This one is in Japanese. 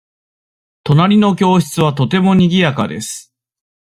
隣の教室はとてもにぎやかです。